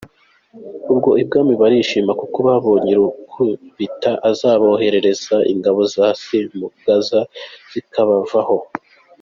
Ubwo ibwami barishima kuko babonye Rukubita akazabarehereza ingabo za Semugaza zikamuvaho.